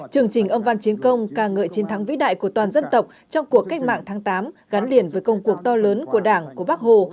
chương trình âm văn chiến công ca ngợi chiến thắng vĩ đại của toàn dân tộc trong cuộc cách mạng tháng tám gắn liền với công cuộc to lớn của đảng của bác hồ